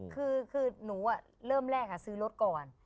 คือหนูเริ่มแรกซื้อรถก่อน